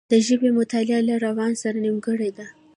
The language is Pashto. د ژبې مطالعه له روان سره نېمګړې ده